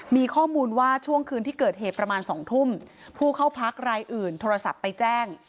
มีข้อมูลว่าช่วงคืนที่เกิดเหตุประมาณ๒ทุ่มผู้เข้าพักรายอื่นโทรศัพท์ไปแจ้ง